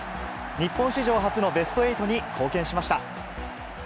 日本史上初のベスト８に貢献しました。